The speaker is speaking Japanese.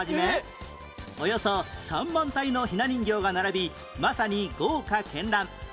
およそ３万体のひな人形が並びまさに豪華絢爛